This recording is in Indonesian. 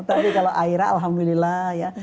tapi kalau aira alhamdulillah ya